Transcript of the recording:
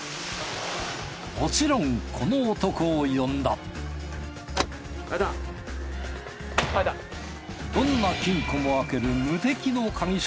もちろんこの男を呼んだどんな金庫も開ける無敵の鍵